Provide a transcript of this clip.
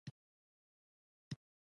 ټول چارواکي را وغوښتل.